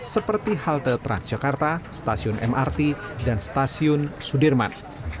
seperti halte transjakarta stasiun mrt dan stasiun sudirman